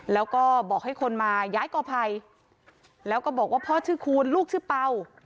แล้วก็บอกให้คนมาย้ายกอภัยแล้วก็บอกว่าพ่อชื่อคูณลูกชื่อเป่า